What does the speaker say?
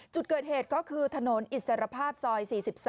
จุดเกิดเหตุก็คือถนนอิสรภาพซอย๔๓